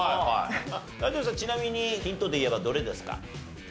名取さんちなみにヒントでいえばどれですか？